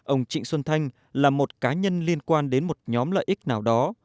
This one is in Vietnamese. ông trịnh xuân thanh là một cá nhân liên quan đến một nhóm lợi ích nào đó